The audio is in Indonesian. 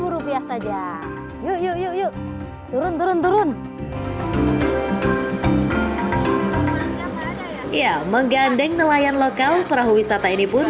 rp dua puluh lima saja yuk yuk yuk yuk turun turun turun ya menggandeng nelayan lokal perahu wisata ini pun